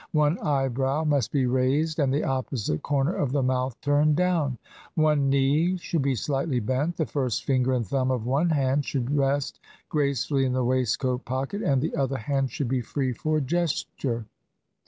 One eyebrow must be raised and the opposite corner of the mouth turned down. One knee should be slightly bent; the first finger and thumb of one hand should rest gracefully in the waistcoat pocket, and the other hand should be free for gesture.